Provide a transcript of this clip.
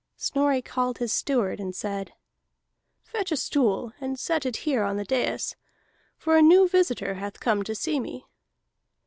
Snorri called his steward, and said: "Fetch a stool, and set it here on the dais, for a new visitor hath come to see me."